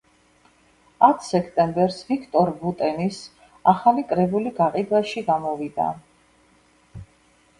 ათ სექტემბერს ვიქტორ ვუტენის ახალი კრებული გაყიდვაში გამოვდა.